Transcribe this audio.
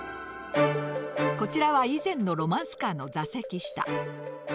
こちらは以前のロマンスカーの座席下。